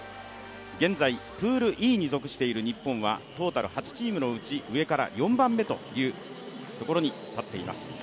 現在プールＥに属している日本はトータル８チームのうち上から４番目というところに立っています。